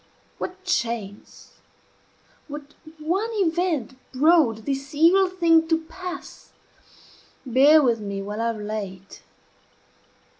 What chance what one event brought this evil thing to pass, bear with me while I relate.